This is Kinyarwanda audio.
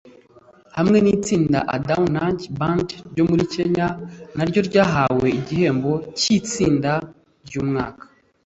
hamwe n’itsinda ‘Adawnage Band’ ryo muri Kenya na ryo ryahawe igihembo cy’Itsinda ry’umwaka